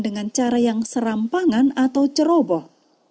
dengan cara yang serampangan atau ceroboh